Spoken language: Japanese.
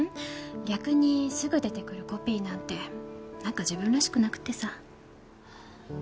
逆にすぐ出てくるコピーなんてなんか自分らしくなくってさ。